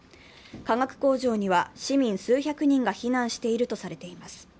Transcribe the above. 化学工場には市民数百人が避難しているとされています。